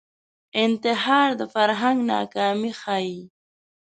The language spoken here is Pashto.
انتحار د فرهنګ ناکامي ښيي